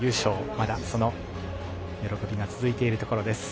まだその喜びが続いているところです。